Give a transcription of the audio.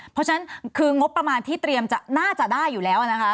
เพราะฉะนั้นคืองบประมาณที่เตรียมจะน่าจะได้อยู่แล้วนะคะ